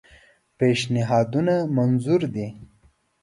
پېشنهادونه منظور دي.